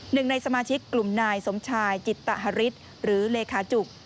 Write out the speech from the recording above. หนึ่งในสมาชิกกลุ่มนายสมชายจิตฮฤทธิ์หรือเลขาจุก